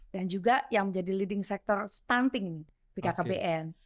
dan juga yang menjadi leading sector stunting pkkbn